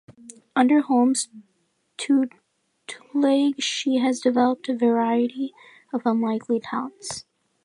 Under Holmes's tutelage she has developed a variety of unlikely talents.